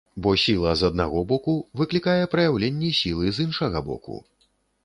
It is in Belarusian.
Бо сіла з аднаго боку выклікае праяўленне сілы з іншага боку.